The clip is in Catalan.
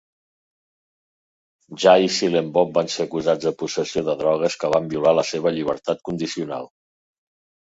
Jay i Silent Bob van ser acusats de possessió de drogues, que van violar la seva llibertat condicional.